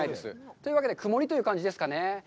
というわけで、曇りという感じですかね。